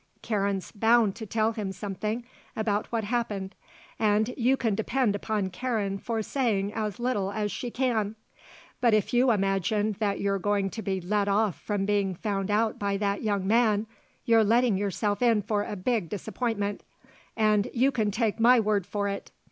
Karen's bound to tell him something about what happened, and you can depend upon Karen for saying as little as she can. But if you imagine that you're going to be let off from being found out by that young man, you're letting yourself in for a big disappointment, and you can take my word for it.